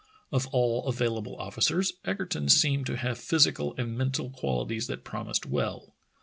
Of all available officers Egerton seemed to have physical and mental qualities that promised well.